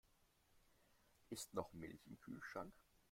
Ist noch Milch im Kühlschrank?